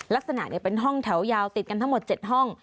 ลักษณะเป็นห้องแถวยาวติดกันทั้งหมด๗ห้อง